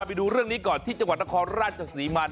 ไปดูเรื่องนี้ก่อนที่ถ้าจังหวัดนาคอราชศาสนิมาน